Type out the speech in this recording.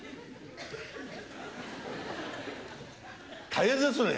大変ですね。